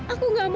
aku gak mau